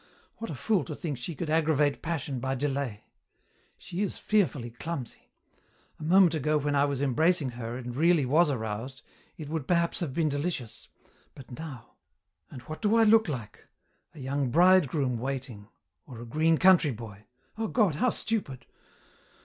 What a fool to think she could aggravate passion by delay. She is fearfully clumsy. A moment ago when I was embracing her and really was aroused, it would perhaps have been delicious, but now! And what do I look like? A young bridegroom waiting or a green country boy. Oh God, how stupid!